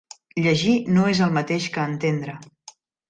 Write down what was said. Llegir no és el mateix que entendre.